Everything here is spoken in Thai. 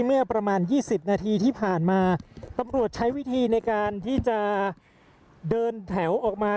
เมื่อประมาณ๒๐นาทีที่ผ่านมาตำรวจใช้วิธีในการที่จะเดินแถวออกมา